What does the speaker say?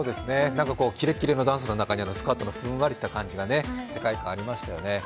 キレッキレのダンスの中にふんわりしたスカートの感じが、世界観ありましたよね。